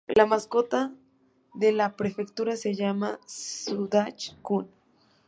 La mascota de la prefectura se llama 'Sudachi-kun'.